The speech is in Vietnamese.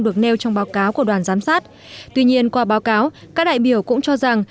được nêu trong báo cáo của đoàn giám sát tuy nhiên qua báo cáo các đại biểu cũng cho rằng